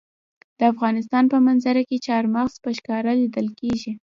د افغانستان په منظره کې چار مغز په ښکاره لیدل کېږي.